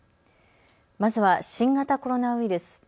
まずは新型コロナウイルス。